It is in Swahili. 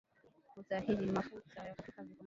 utahitaji mafuta ya kupikia vikombe mbili